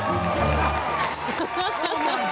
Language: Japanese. ハハハハ！